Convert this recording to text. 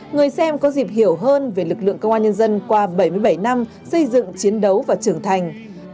người xem có dịp hiểu hơn về lực lượng công an nhân dân qua bảy mươi bảy năm xây dựng chiến đấu và trưởng thành